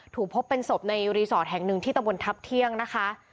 ถูกพบเป็นศพในรีสอร์ทแห่งหนึ่งที่ตะบนทัพเที่ยงนะคะ